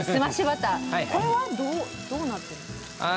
これはどうなってるんですか？